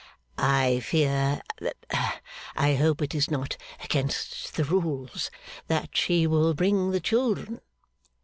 'I fear I hope it is not against the rules that she will bring the children.